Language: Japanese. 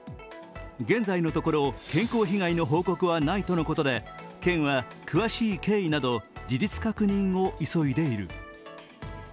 現在のところ健康被害の報告はないとのことで県は詳しい経緯など事実確認を急いでいる。